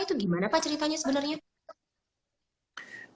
itu gimana pak ceritanya sebenarnya